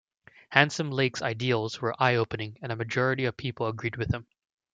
Handsome Lake's ideals were eye opening and majority of people agreed with him.